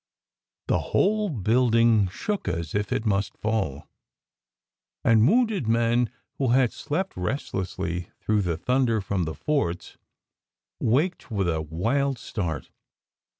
The whole building shook as if it must fall, and wounded men who had slept restlessly through the thunder from the forts waked with a wild start.